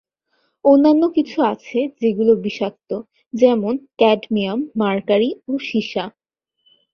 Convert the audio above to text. অন্যান্য কিছু আছে যেগুলো বিষাক্ত যেমন- ক্যাডমিয়াম, মার্কারি ও সীসা।